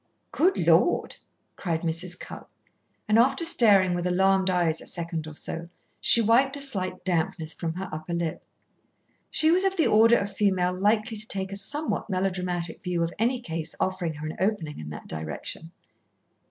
"Good Lord!" cried Mrs. Cupp, and after staring with alarmed eyes a second or so, she wiped a slight dampness from her upper lip. She was of the order of female likely to take a somewhat melodramatic view of any case offering her an opening in that direction.